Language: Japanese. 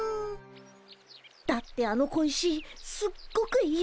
だってあの小石すっごくいいでしょ。